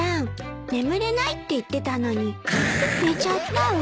眠れないって言ってたのに寝ちゃったわ。